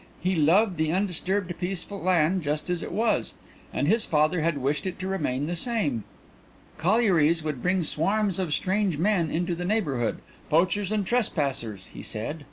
He loved the undisturbed, peaceful land just as it was, and his father had wished it to remain the same. Collieries would bring swarms of strange men into the neighbourhood, poachers and trespassers, he said.